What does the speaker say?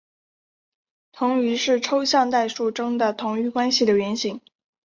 同余是抽象代数中的同余关系的原型。